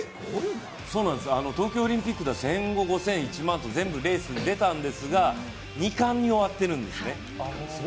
東京オリンピックでは１５００、１０００、１００００と全部レースに出たんですが２冠に終わってるんですね。